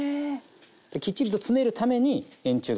きっちりと詰めるために円柱形にしていく。